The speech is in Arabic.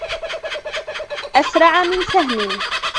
أسرع من سهم